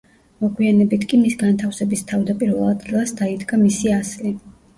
მოგვიანებით კი მის განთავსების თავდაპირველ ადგილას დაიდგა მისი ასლი.